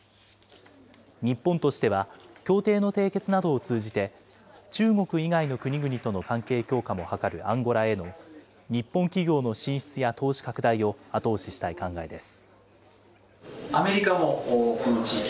日本としては、協定の締結などを通じて、中国以外の国々との関係強化も図るアンゴラへの日本企業の進出や投資拡大を後押ししたい考えです。